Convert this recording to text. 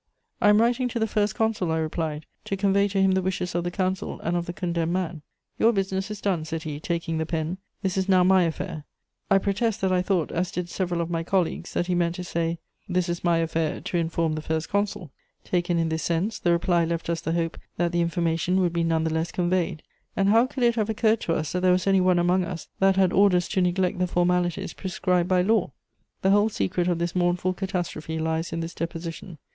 "'I am writing to the First Consul,' I replied, 'to convey to him the wishes of the council and of the condemned man.' "'Your business is done,' said he, taking the pen; 'this is now my affair.' "I protest that I thought, as did several of my colleagues, that he meant to say, 'This is my affair, to inform the First Consul.' Taken in this sense, the reply left us the hope that the information would be none the less conveyed. And how could it have occurred to us that there was any one among us that had orders to neglect the formalities prescribed by law?" The whole secret of this mournful catastrophe lies in this deposition.